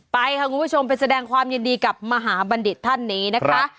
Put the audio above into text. ไปค่ะคุณผู้ชมไปแสดงความยินดีกับมหาบัณฑิตท่านนี้นะคะ